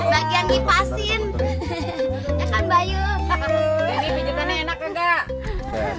ini pijetannya enak gak